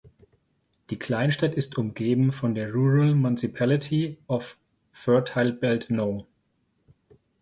Die Kleinstadt ist umgeben von der Rural Municipality of Fertile Belt No.